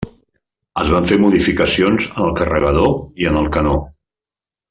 Es van fer modificacions en el carregador i en el canó.